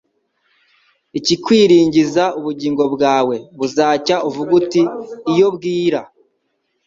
ikikwiringiza ubugingo bwawe. Buzacya uvuge uti: iyo bwira,